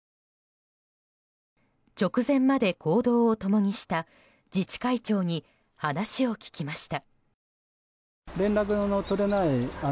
直前まで行動を共にした自治会長に話を聞きました。